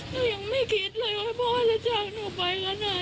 มายังไม่คิดเลยว่าพ่อจะจักลูกไปขนาดนี้